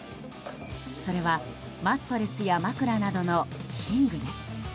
それはマットレスや枕などの寝具です。